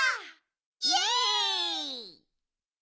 イエイ！